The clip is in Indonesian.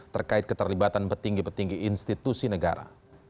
terkait keterlibatan petinggi petinggi institusi negara